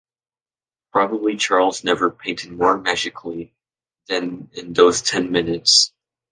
Probably Charles never painted more magically than in those ten minutes.